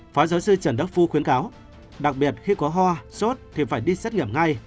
phó giáo sư trần đắc phu khuyến cáo đặc biệt khi có ho sốt thì phải đi xét nghiệm ngay